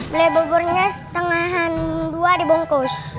beli buburnya setengah dua dibungkus